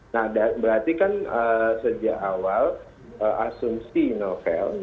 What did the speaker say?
nah berarti kan sejak awal asumsi novel